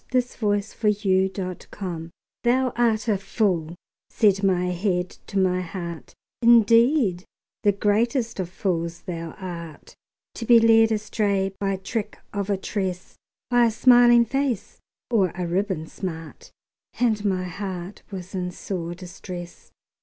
Paul Laurence Dunbar Retort THOU art a fool," said my head to my heart, "Indeed, the greatest of fools thou art, To be led astray by trick of a tress, By a smiling face or a ribbon smart;" And my heart was in sore distress.